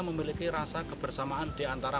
memiliki rasa kebersamaan diantara